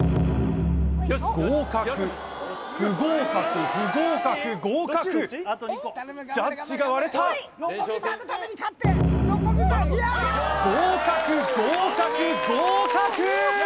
合格不合格不合格合格ジャッジが割れた合格合格合格！